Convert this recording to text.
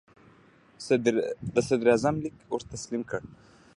د صدراعظم لیک ور تسلیم کړ.